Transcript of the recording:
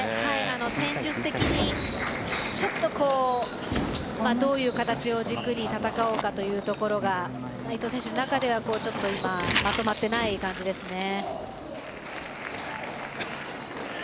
戦術的にちょっとどういう形を軸に戦おうかというところが伊藤選手の中では今まとまっていない感じですね。